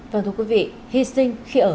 vâng thưa quý vị hy sinh khi ở